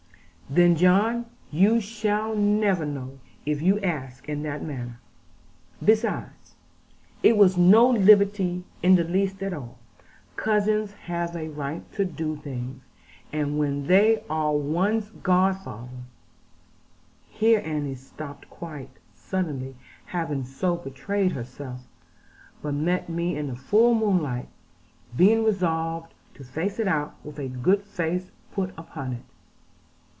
'Then, John, you shall never know, if you ask in that manner. Besides, it was no liberty in the least at all, Cousins have a right to do things and when they are one's godfather ' Here Annie stopped quite suddenly having so betrayed herself; but met me in the full moonlight, being resolved to face it out, with a good face put upon it.